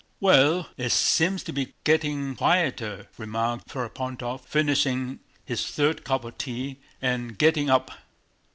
"Well, it seems to be getting quieter," remarked Ferapóntov, finishing his third cup of tea and getting up.